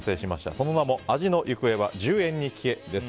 その名も味のゆくえは１０円に聞けです。